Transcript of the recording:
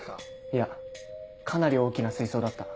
いやかなり大きな水槽だった。